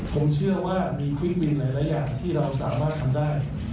ผมเชื่อว่ามีเครื่องบินหลายอย่างที่เราสามารถทำได้